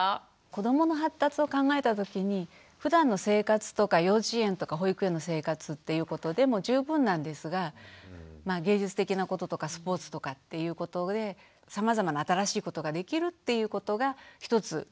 子どもの発達を考えた時にふだんの生活とか幼稚園とか保育園の生活っていうことでも十分なんですが芸術的なこととかスポーツとかっていうことでさまざまな新しいことができるっていうことが一つ利点で。